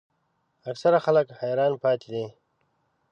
اکثره خلک حیران پاتې دي.